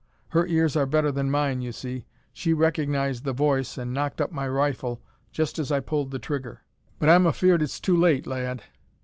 Her ears are better than mine, you see. She recognised the voice an' knocked up my rifle just as I pulled the trigger. But I'm afeared it's too late, lad."